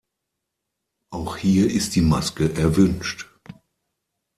Auch hier ist die Maske erwünscht.